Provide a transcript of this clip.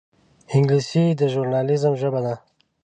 انګلیسي د ژورنالېزم ژبه ده